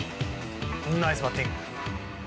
ナイスバッティング！